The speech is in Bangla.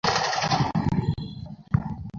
Sir, please.